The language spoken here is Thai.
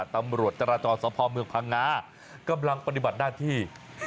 ตำรวจจราจรสพเมืองพังงากำลังปฏิบัติหน้าที่